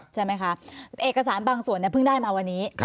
ใช่ไหมคะเอกสารบางส่วนเพิ่งได้มาวันนี้